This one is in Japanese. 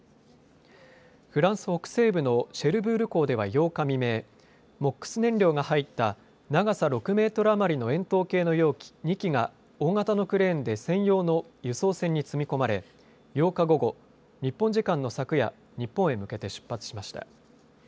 フランス北西部のシェルブール港では８日未明、ＭＯＸ燃料が入った長さ６メートル余りの円筒形の容器２基が大型のクレーンで専用の輸送船に積み込まれ８日午後、日本時間の昨夜、日本へ向けて出発しました。